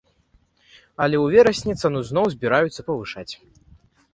Але ў верасні цану зноў збіраюцца павышаць.